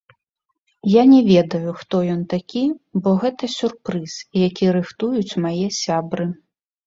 Я не ведаю, хто ён такі, бо гэта сюрпрыз, які рыхтуюць мае сябры.